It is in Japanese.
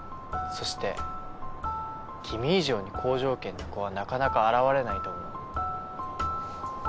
そして君以上に好条件な子はなかなか現れないと思う。